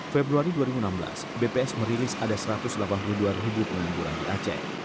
februari dua ribu enam belas bps merilis ada satu ratus delapan puluh dua ribu penguburan di aceh